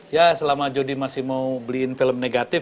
ya selama jody masih mau beliin film negatif